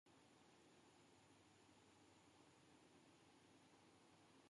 Mgonga mawe, Musa, hakuangalia kutoka kwa mawe yake